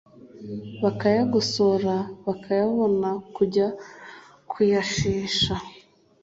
bakayagosora bakabona kujya kuyashesha